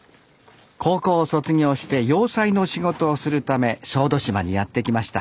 高校を卒業して洋裁の仕事をするため小豆島にやって来ました